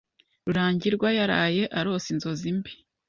Rurangirwa yaraye arose inzozi mbi.